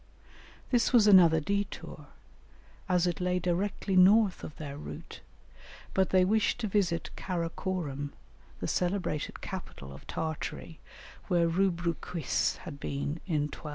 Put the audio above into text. This was another détour, as it lay directly north of their route, but they wished to visit Kara Korum, the celebrated capital of Tartary, where Rubruquis had been in 1254.